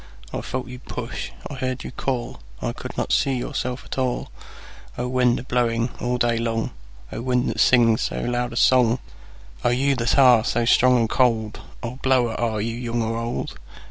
I felt you push, I heard you call,I could not see yourself at all—O wind, a blowing all day long,O wind, that sings so loud a songO you that are so strong and cold,O blower, are you young or old?